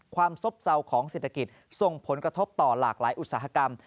ซบเศร้าของเศรษฐกิจส่งผลกระทบต่อหลากหลายอุตสาหกรรม